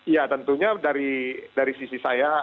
ya tentunya dari sisi saya